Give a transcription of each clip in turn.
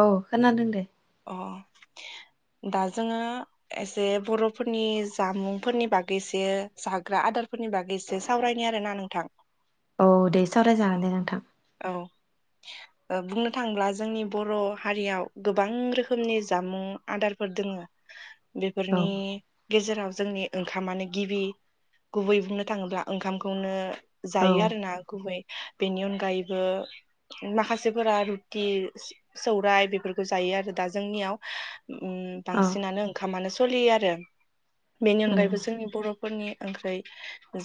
औ खोनादों दे अ दा जोङो एसे बर'फोरनि जामुंफोरनि बागैसो जाग्रा आदारफोरनि बागैसो एसे सावरायनायनि आरोना नोंथां औ दे अ सावरायजागोन दे नोंथां औ ओ बुंनो थाङोब्ला जोंनि बर हारियाव गोब बां रोखोमनि जामुं आदारफोर दोङो औ बेफोरनि गेजेराव जोंनि ओंखामानो गिबि गुबै बुंनो थाङोब्ला ओंखामखौनो औ जायो आरो ना गुबै बेनि अनगायैबो माखासेफोरा रुटि सौराय बेफोरखौ जायो आरो दा जोंनियाव ओम औ बांसिनानो ओंखामानो सलियो आरो बेनि उम अनगायैबो जोंनि बर' फोरनि ओंख्रै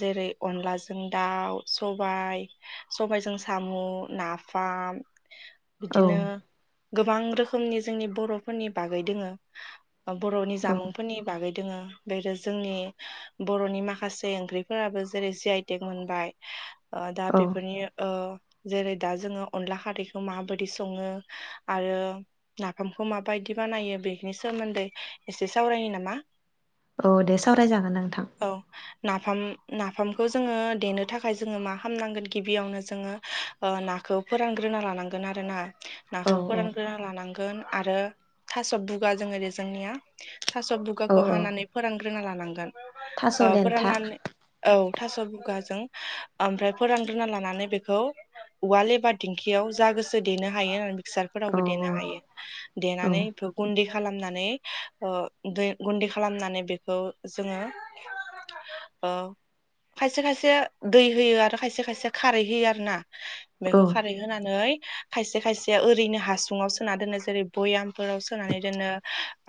जेरै अनलाजों दाउ सबाइ सबाइजों सामु नाफाम औ बिदिनो गोबां रोखोम रोखोमनि जोंनि बर'फोरनि बागै दोङो बर'नि औ जामुंफोरनि बागै दोङो बेर जोंनि बर'नि माखासे ओंख्रिफोराबो जेरै जि आइ टेक मोनबाय ओ दा औ बेफोरनि ओ जेरै दा जोङो अनला खारैखौ माबायदि सङो आरो नाफामखौ माबायदि बानायो बेनि सोमोन्दै एसे सावरायनि नामा? औ दे सावरायजागोन नोंथां। औ नाफाम नाफामखौ जोङो देनो थाखाय जोङो मा खालामामनांगोन गिबियावनो जोङो ओ नाखौ फोरानग्रोना लानांगोन आरो ना औ नाखौ औ फोरान ग्रोना लानांगो आरो थास' बुगाजों जोंनिया थास' औ बुगाखौ औ हानानै फोरान ग्रोना लानांगोन थास' औ देन्था फोराननानै औ थास' बुगाजों ओमफ्राय फोरानग्रोना लानानै बेखौ औवााल एबा दिंखियाव जा गोसो देनो हायो होननानै औ फिसारफोरावबो देनो हायो। औ देनानै बेखौ गुन्दै खालामनानै दै गुन्दै खालामनानै बेखौ जोङो ओ खायसे खायसे दै होयो आरो खायसे खायसे खारै होयो आरो ना बेखौ औ खारै होनानै खायसे खायसे ओरैनो हासुङाव सोना दोननाय ज जेरै भयामफोर सोनानै दोनो।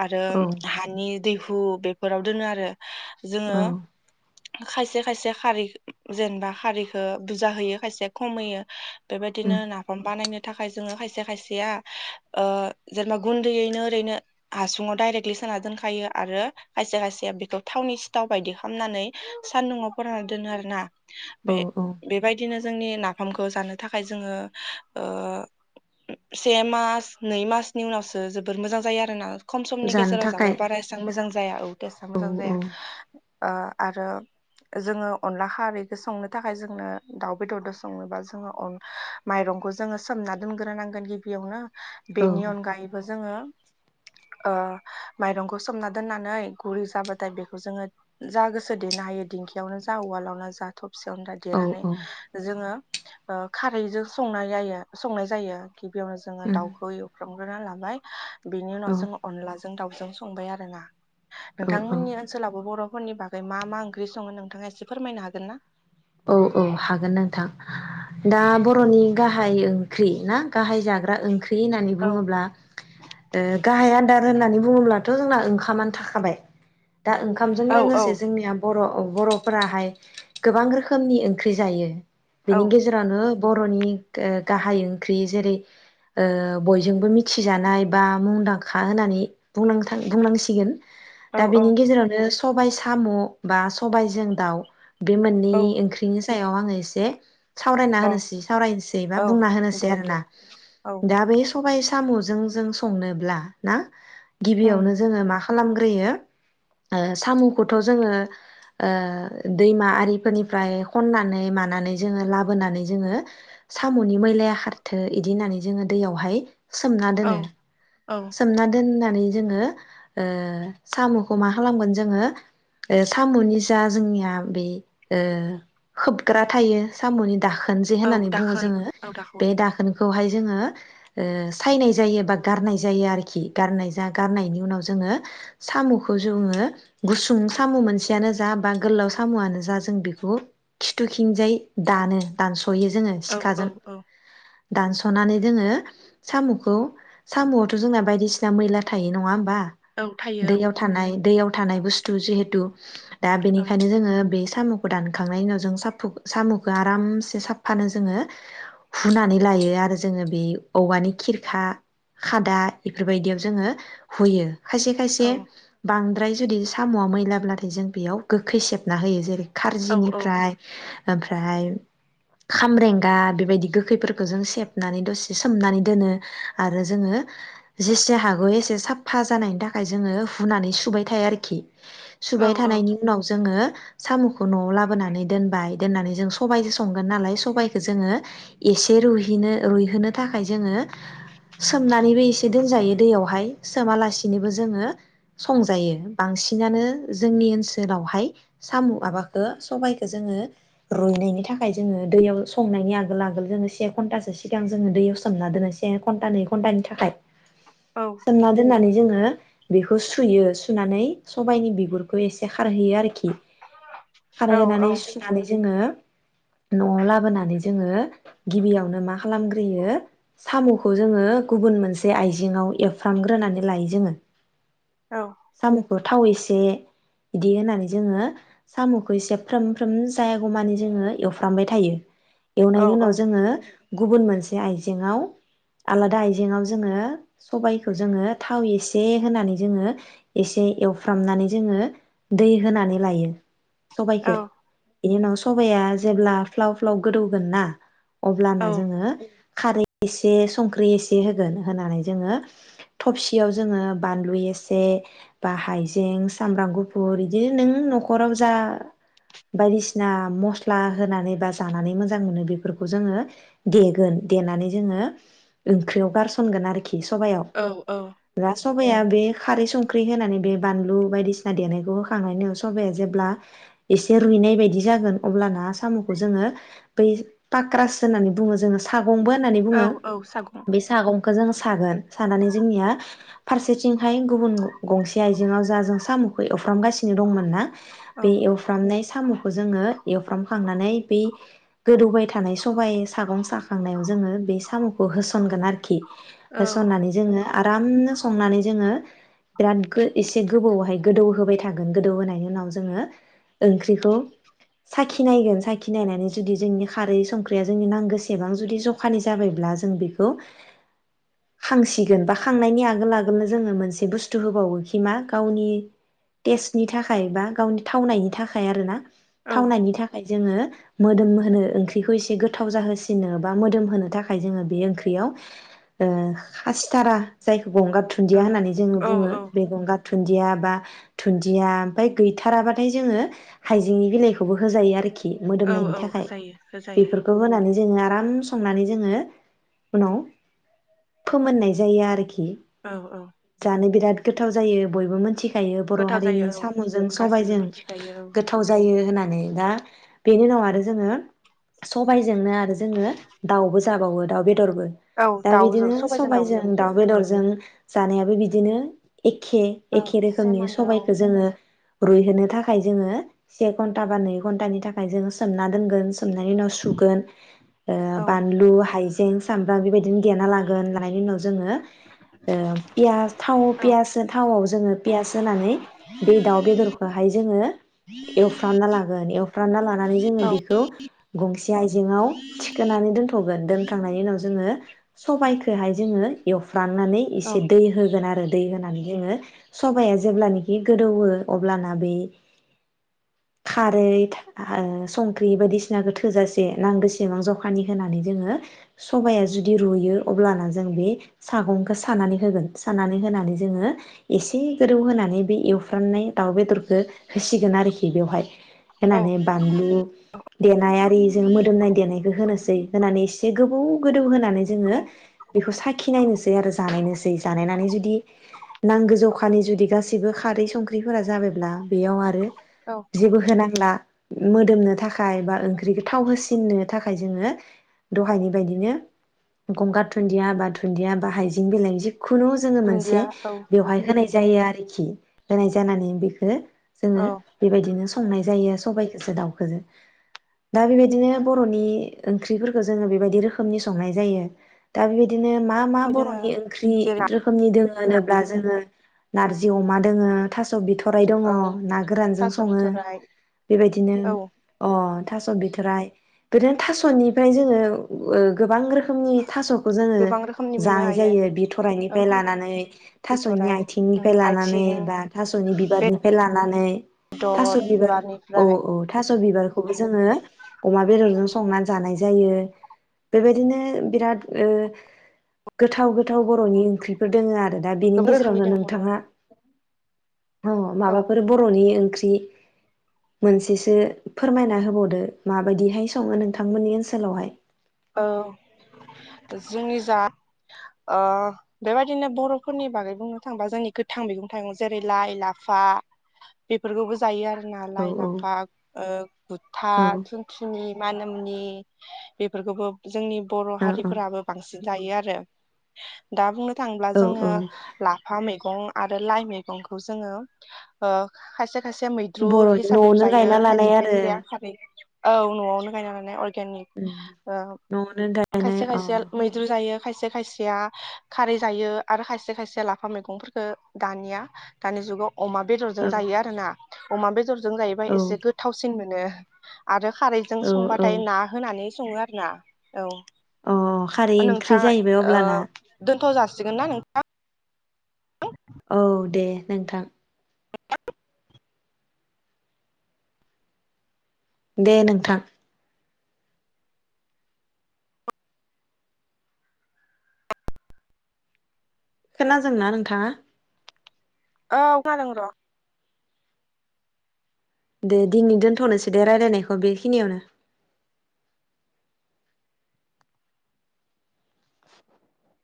आरो औ हानि दैहु बेफोराव दोनो आरो। जोङो औ खायसे खायसे खारि जेनेबा खारिखौ बुरजा होयो खायसेया खम होयो उम बेबायदिनो नाफाम बानायनो थाखाय जोङो खायसे खायसेया, ‌अ जेनेबा गुन्दैयैनो ओरैनो हासुङाव दडायरेक्टलि सोना दोनखायो, आरो खायसे खायसे बेखौ थावनि सिथाव बायदि खालामनानै सानदुंआव फानना दोनो आरो ना, औ बे औ बेबायदिनो जोंनि नाफामखौ जानो थाखाय जोङो से मास नै मास नि उनावसो जोबोर मोजां जायो आरोना। खम समनि जानो गेजेराव जाब थाखाय बा रायस्रां मोजां जाया औ टेस्टआ औ मोजां जाया। आरो जोङो अनला खरैखौ संनो थाखाय जोंनो दाउ बेदरजों संनोबा जोङो माइरंखौ जोङो सोमना दोनग्रोनांगोन गिबियावनो। औ बेनि अनग जोङो अ माइरंखौ सोमना दोननानै, गुरि जाबाथाय बेखौ जोङो जा गोसो देनो हायो दिंखियावनो जा उवालावनो जा थब फिसनदा औ देनानै उम जोङो। ओ खारैजों संनाय यायो संनाय जायो गिबियावनो जोङो दाउखौ औ एवग्रो संग्रोना लाबाय बिनि उनाव जों औ अनलाजों दाउजों संबाय आरो ना। औ नोंथांमोननि ओनसोलाबो बर' फोरनि बागै मा मा ओंख्रि सङो नोंथाङा एसे फोरमायनो हागोन ना? औ औ हागोन नोंथां दा बर'नि गाहाय ओं ओंख्रि ना गाहाय जाग्रा ओंख्रि होननानै औ बुङो होननानै बुङोब्लाथ' जोंना ओंखामानो थाखाबाय। दा ओंखामजों औ लोगोसे औ जोंनिया बर' बर'फोराहाय गोबां रोखोम खोमनि ओंख्रि जायो। औ बेनि गेजेरानो बर'नि गाहाय ओंख्रि जेरै ओ बयजोंबो मिथिजानाय बा मुंदांखा होननानै बुंनांथार बुंनांसिगोन। दा बेनि औ गेजेरावनो स सबाइ साम' बा सबाइजों दाउ बे मोननि औ बिनि सायाव आङो एसे सावरायना औ होनोसै सावरायनोसै बा औ बुंना दे होनोसै आरो दे ना औ दा बे सबाइ सा साम'जों जों संनोब्ला ना। उम गिबियावनो जोङो मा खालामग्रोयो ओ साम'खौथ' जोङो दैमा आरिफोरनि फ्राय हननानै मानानै जोङो लाबोनानै जोङो साम'नि मैलाया खारथो इदि होननानै जोङो दैयावहाय सोमना औ दोनो। औ सोमना दोनो होननानै जोङो ओ साम'खौ मा खालामगोन जोङो साम'नि जा जोंनिया बे खोबग्रा थायो साम'नि दाखोन खोन जे औ होननानै बुङो दाखोन जोङो औ बे दाखोन खौहाय जोङो ओ सायनाय जायो बा गारनाय जा गारनाय जायो आरोखि गारनाय जा गारनायनि उनाव जोङो सामुखो जोङो गुसुं सामु मोनसेयानो जा बा गोलाव सामुवानो जा जों बेखौ खिथुखिंजाय दानो दानस सयो जोङो औ औ सिखाजों। औ दानस'नानै दोङो साम'खौ साम' थ' जोंना बायदिसिना मैला थायो नङा होमबा। औ थायो दैयाव थानाय दैयाव थानाय बुस्थु जिहेथु दा औ बेनिखायनो जोङो बे समुखौ दानखांनायनि उनाव सामु खो आरामसे साफानो जों हुना लायो आरो जों बे ओवानि किरखा खादा दा इफोरबायदियाव जोङो हुयो। खायसे औ खायसे बांद द्राय जुदि साम'आ मैलाब्ला्लाथाय जों बेयाव गोखै सेबना होयो जेरै औ औ खारजिनिफ्राय ओमफ्राय खामरेंगा बेबायदि गोखैफोरखौ जों सेबनानै दसे सोमनानै दोनो आरो जोङो जेसे हागौ एसे साफा जानायनि थाखाय जोङो हुनानै सुबाय थायो आरोखि। औ सुबाय औ थानायनि उनाव जोङो साम'खौ न'आव लाबोनानै दोनबाय दोननानै जों सबबायजों संगोन नालाय सबायखौ जोङो एसे रुनो रुइहोनो थाखाय जोङो सोमनानैबो एसे दोनजायो दैयावहाय सोमालासिनोबो जोङो संजायो बांसिनानो जोंनि ओनसोलावहाय साम' माबाखौ सबाइखौ जोङो रुइनायनि थाखाय जोङो दैयाव संनायनि आगोल आगोल जोङो से घन्टासो सिगां जोङो दैयाव सोमना दोनो से घन्टानि खन्थाइानि थाखाय। औ सोमना दोनना जों जोङो बेखौ सुयो सुनानै सबायनि बिगुर बेखौ एसे खारहैयो आरोखि औ औ खारहोनानै सुनानै जोङो न'आव लाबोनानै जोङो गिबियावनो मा खालामगोन यो साम'खौ जोङो गुबुन मोनसे आइजेंआव एवफ्रामग्रोनानै लायो जोङो। औ। साम'खौ थाव एसे बिदि होनानै जोङो साम'खौ एसे फ्रोम फ्रोम जायागौमानि जोङो एवफ्रामबाय थायो। एवनायनि उनाव जोङो गुबुन मोनसे आइजेंआव आलादा आइज जेङाव जोङो सबबायखौ जोङो थाव एसे होनानै जोङो एसे एवफ्रामनानै जोङो दै होनानै लायो। सबायख बेनि उनाव सबाया जेब्ला फ्लाव फ्लाव गोदौगोन ना अब्लाना जोङो खारै एसे संख्रि एसे ए होगोन होनानै जोङो थबसियाव जोङो बानलु एसे बा हाइजें सामब्राम गुफुर बिदिनो नों न'खराव जा बायदिसिना मस्ला होनानै बा जानानै मोजां मोनो बेफोरखौ जोङो देगोन देनानै जोङो ओंख्रियाव गसनगोन आरोखि सबायाव औ औ सबाया बे खारै संख्रि होनानै बे बानलु बायदिसिना देनायखौ होखांनायनि उनाव सबाया जेब्ला एसे रुइनाय बायदि जागोन अब्लाना साम'खौ जोङो बै पक्रास होननानै बुङो जोङो स गंबो होननानै बुङो औ औ सागं खमखौ जों सागोन सानानै जोंनिया फारसेथिंहाय गुबुन गंसे आइजेंआव जा जों साम'खौ एवफ्रामगासिनो दंमोन ना औ बे एवफ्रामनाय साम'खौ जोङो एवफ्रामखांनानै बै गोदौबाय थानाय सबायाइ सागं साखांनायाव जोङो बे साम'खौ होस सनगोन आरोखि औ होसननानै जोङो आरामनो संनानै जोंङो बिराद गो एसे गोबौआवहाय गोदौ होबाय थागोन गोदौहोनायनि उनाव जोंङो ओंख्रिखौ साखि नायगोन साखि नायनानै जुदि जोंनि खारै संख्रिया जोंनि नांगोसेबां जुदि जखानि जाबायब्ला जों बे खौ खांसिगोन बा खांनायनि आगोल आगोलनो जोंङो मोनसे बुस्थु होबावोखि मा गावनि टेस्टनि थाखाय बा गावनि थावनायनि थाखाय आरो ना? औ थावनायनि थाखाय। जोंङो मोदोम होनो ओंख्रिखौ एसे गोथाव जाहोसिननो बा मोदोम होनो थाखाय जोंङो बे ओंख्रि बेयाव ओ खासिथारा जायखौ गंगार औ धुन्दिया होननानै जोंङो औ बुङो बे गंगार धुन्दिया बा दुन्दिया ओमफ्राय गैथाराबाथाय जोंङो हाइजेंनि बिलाइखौबो होजायो आरोखि। मोदोमनायनि थाखाय होजायो होजायो बेफोरखौ होनानै जोंङो आराम संनानै जोंङो उनाव फोमोननाय जायो आरोखि। औ औ। माने बिराद गोथाव जायो बयबो मोनथि खायो बर' गोथाव हारिनि जायो औ साम'जों गासिबो सबाइजों मिथिखायो गोथाव जायो। होनानै दा बेनि उनाव औ आरो जोंङो सबायजोंनो आरो जोंङो दाउबो जाबावो दाउ बेदरबो। औ दा दाउजों बिदिनो सबायजों दाउजों दाउ बेदरजों जानायाबो बिदिनो। एखे औ एखे रोखोमनि सेमानो सबाइखौ जोंङो रुइहोनो थाखाय जोंङो से घन्टा बा नै घन्टानि थाखाय जोंङो सोमना दोनगोन सोमनायनि उनाव सुगोन। ओ औ बानलु हाइजें [unintelligible] सामब्राम बेबायदिनो देना लागोन लानायनि उनाव जोङो ओ पियास थाव औ पियासजों थावाव जोङो पियास होनानै बे दाउ बेदरखौहाय जोंङो एवफ्रामना लागोन एवफ्रामना लानानै जोङो औ बेखौ गंसे आयजेंआव थिखोनानै दोनथ'गोन दोनखांनायनि उनाव जोङो सबायखौहाय जोङो एवफ फ्रामनानै एसे दै होगोन आरो। दै होनानै जोङो सबाया जेब्लानोखि गोदौओ अब्लाना बै खारै ओ संख्रि बायदिसिनाखौ थोजासे नांगोसेबां जखानि होनानै जोङो सबाया जुदि रुयो अब्लाना जों बे सागंखौ सानानै होगोन सानानै होनानै जोङो एसे गोदौ होनानै बे एवफ्रामनाय दाउ बेदरखौ होसिगोन आरोखि बेवहाय। औ होनानै बानलु देनाय आरिजों मोदोमनाय देनायखौ होनोसै। होनानै एसे गोबौ गोदौ हो नानै जोङो बेखौ सा खिनायनोसै आरो जानायनोसै जानायनानै जुदि नांगौ जखानि जुदि गासिबो खारै संख्रि फोरा जाबायब्ला बेयाव आरो औ जेबो होनांला। मोदोमनो था खाय बा ओंख्रिखौ थाव होसिननो था खाय जोङो दहायनि बायदिनो गंगार दुन्दिया बा दुन्दिया बा हाइजें बिलाइनि जि खुनु जोङो मोनसे दुन्दिया औ बेवहाय होनाय जायो आरोखि होनाय जानानै बेखौ जोङो औ बेबायदिनो संनाय जायो सबायखोजो दावखोजो दा बेबायदिनो बर'नि ओंख्रिफोर खो जोङो बेबायदि रोखोमनि संनाय जायो दा बेबाय दिनो मा मा जोङो बर'नि ओंख्रि जेरै रोखोमनि दोङो होनोब्ला जोङो नारजि अमा दोङो थास' बिथ'राइ दङ औ ना गोरानजों थास' सङो बिथ'राइ बेबायदिनो औ अ थास' बिथराइ बिदिनो थास'नि फ्राय जोङो ओ गोबां रोखोमनि थास'खौ जोङो गोबां रोखोमनि मोननो जानाय हायो जायो औ बिथ'राइनिफ्राय लानानै थास'नि बिथराइ उम आथिंनिफ्राय लानानै आथिं बा थास'नि बिबारनिफ्राय लानानै थास' बेदर बिबार औ बिबारनिफ्राय औ थास' बिबारखौ खौबो जोङो अमा बेदरजों संनानै जानाय जायो बेबायदिनो बिराद ओ गोथाव गोथाव बर'नि ओंख्रिफोर दोङ आ रो दा बिनि गोबां रोखोमनि गेजेरावनो दों बर' नोंथाङा अ औ माबाफोर बर'नि ओं ख्रि मोनसेसो फोरमायना होबावदो मा बायदिहाय सङो नोंथांमोननि ओनसो लावहाय औ जोंनि जा ओ बेबायदिनो बर'फोरनि बागै बुंनो थाङोबा जोंनि गोथां मैगं थाइगं जेरै- लाइ लाफा बेफोरखौबो जायो आरो जोंना औ लाइ औ लाफा ओ गुथा औ थुनथुनि मानामुनि बे फोरफोरखौबो जोंनि बर' ओ हारिफोराबो बांसिन जायो आरो दा बुंनो थांब्ला ओ औ जोङो औ लाफा मैगं आरो लाइ मैगंखौ जोङो ओ खायसे खायसे मैद्रु बर'नि हिसाबै न'आवनो जायो गायना लानाय खायसे आरो खायसेया खारै औ न'आवनो गायनानै [inaudible] नि उम न'आवनो गायनाय खायसे अ खायसेया मैद्रु जायो खायसे खायसेया खारै जायो आरो खायसे खायसे लाफा मैगंफोरखौ दानिया दानि जुगाव अमा बेदरजों औ जायो आरोना अमा बेदर जों जाहैबाय औ एसे गोथावसिन मोनो आरो खारैजों औ औ संबाथाय ना होनानै [unintelligible] मा औ अ खारै ओंख्रि जाहैबाय अब्लाना जागोन ना नोंथां औ दे नोंथां [unintelligible] दे नोंथां खोनादोंना नोंथाङा। औ खोनादों र' दे दिनै दोनथ'नोसै दे रायलायनायखौ बेखिनियावनो [unintelligible]